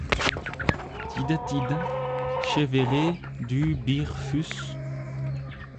Tiddes, tiddes !… che verai dut bir fus…